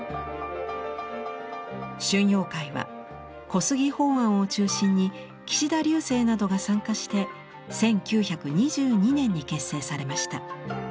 春陽会は小杉放菴を中心に岸田劉生などが参加して１９２２年に結成されました。